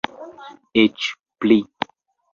Eĉ pli.